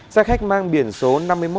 xe khách mang biển số năm mươi một